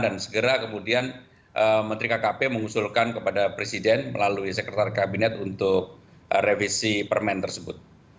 dan segera kemudian menteri kkp mengusulkan kepada presiden melalui sekretar kabinet untuk revisi permen tersebut